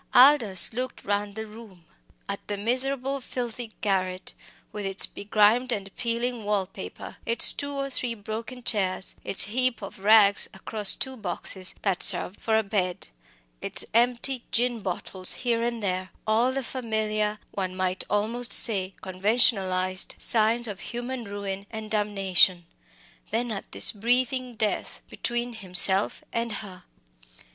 Aldous looked round the room at the miserable filthy garret with its begrimed and peeling wall paper, its two or three broken chairs, its heap of rags across two boxes that served for a bed; its empty gin bottles here and there all the familiar, one might almost say conventionalised, signs of human ruin and damnation then at this breathing death between himself and her.